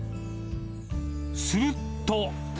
すると。